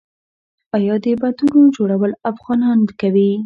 آیا د بندونو جوړول افغانان کوي؟